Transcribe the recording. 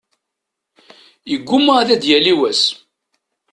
Yeggumma ad yali wass.